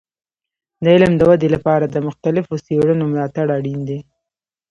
د علم د ودې لپاره د مختلفو څیړنو ملاتړ اړین دی.